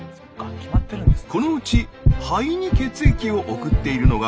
このうち肺に血液を送っているのが右心室。